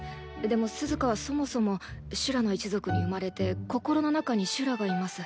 でもスズカはそもそも修羅の一族に生まれて心の中に修羅がいます。